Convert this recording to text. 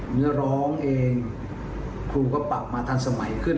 เนื้อร้องเองครูก็ปรับมาทันสมัยขึ้น